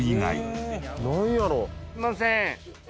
すいません。